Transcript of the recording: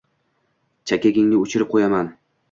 Chakagingni oʻchirib qoʻyaman!